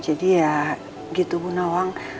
jadi ya gitu bu nawang